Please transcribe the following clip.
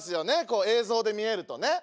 こう映像で見えるとね。